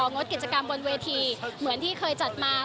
งดกิจกรรมบนเวทีเหมือนที่เคยจัดมา